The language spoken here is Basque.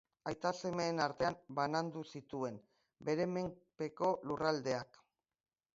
Aitak semeen artean banandu zituen bere menpeko lurraldeak.